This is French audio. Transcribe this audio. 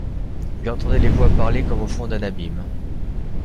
Il entendait les voix parler comme au fond d’un abîme.